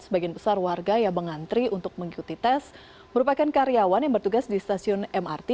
sebagian besar warga yang mengantri untuk mengikuti tes merupakan karyawan yang bertugas di stasiun mrt